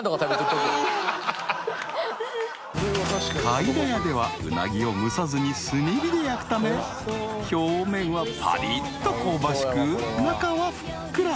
［かいだ屋ではうなぎを蒸さずに炭火で焼くため表面はぱりっと香ばしく中はふっくら］